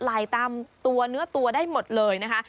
ไหลตามตัวเนื้อตัวได้หมดเลยนะคะ